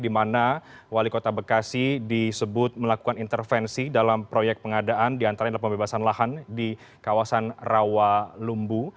di mana wali kota bekasi disebut melakukan intervensi dalam proyek pengadaan di antara pembebasan lahan di kawasan rawa lumbu